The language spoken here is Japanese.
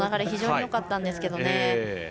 非常によかったんですけどね。